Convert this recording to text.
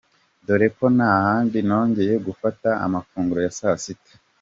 Dore ko nta handi nongeye gufata amafunguro ya saa sita.